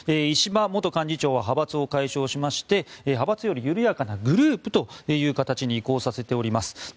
石破元幹事長は派閥を解消しまして派閥より緩やかなグループという形に移行させています。